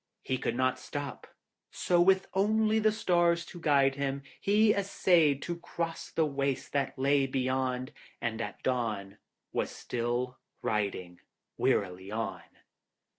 He could not stop, so with only the stars to guide him, he essayed to cross the waste that lay beyond, and at dawn was still riding wearily on.